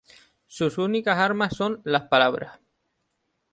Su únicas armas son las "palabras".